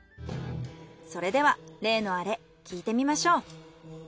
それでは例のアレ聞いてみましょう。